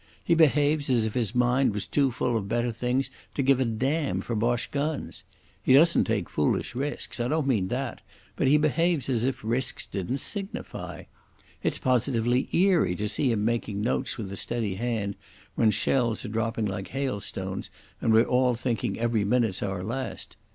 "He behaves as if his mind was too full of better things to give a damn for Boche guns. He doesn't take foolish risks—I don't mean that, but he behaves as if risks didn't signify. It's positively eerie to see him making notes with a steady hand when shells are dropping like hailstones and we're all thinking every minute's our last.